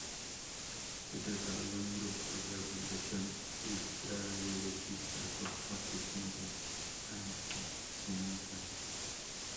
Se trataba de un grupo de orientación ultraderechista, con fuertes tintes antisemitas.